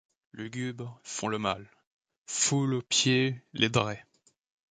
Lugubres, font le mal ; foulent aux pieds les dràits